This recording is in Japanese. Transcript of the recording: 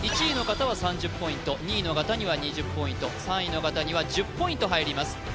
１位の方は３０ポイント２位の方には２０ポイント３位の方には１０ポイント入ります